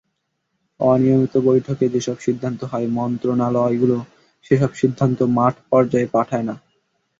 অনিয়মিত বৈঠকে যেসব সিদ্ধান্ত হয়, মন্ত্রণালয়গুলো সেসব সিদ্ধান্ত মাঠ পর্যায়ে পাঠায় না।